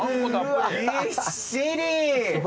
ぎっしり！